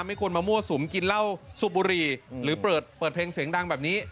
ไม่ควรมามั่วสุมกินเหล้าสูบบุหรี่หรือเปิดเพลงเสียงดังแบบนี้